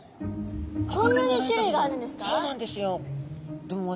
こんなに種類があるんですか？